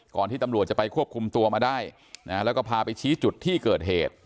ที่ตำรวจจะไปควบคุมตัวมาได้แล้วก็พาไปชี้จุดที่เกิดเหตุ